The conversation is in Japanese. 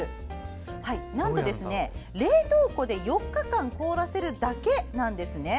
なんと、冷凍庫で４日間凍らせるだけなんですね。